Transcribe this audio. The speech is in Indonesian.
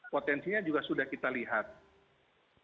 potensinya juga sudah kita lihat